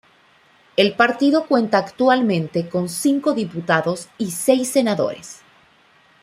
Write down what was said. El partido cuenta actualmente con cinco diputados y seis senadores.